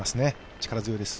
力強いです。